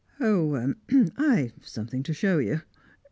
"Oh, I've something to show you.